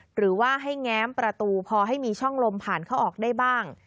หรือว่าให้แง้มประตูพอให้มีช่องลมผ่านเข้าออกได้บ้าง